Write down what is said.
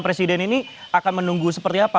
presiden ini akan menunggu seperti apa